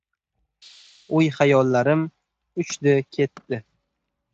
O‘y-xayollarim uchdi-ketdi.